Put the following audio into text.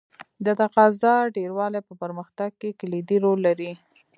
د تقاضا ډېروالی په پرمختګ کې کلیدي رول لري.